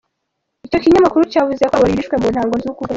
Ico kinyamakuru cavuze ko abo babiri bishwe mu ntango z’uku kwezi.